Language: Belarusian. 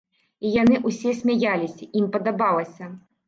І яны ўсе смяяліся, ім падабалася.